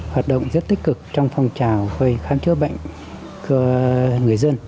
hoạt động rất tích cực trong phong trào khám chữa bệnh của người dân